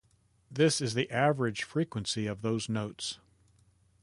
This is the average frequency of those notes.